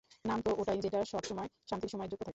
নাম তো ওটাই যেটা, সবসময় শান্তির সাথে যুক্ত থাকে।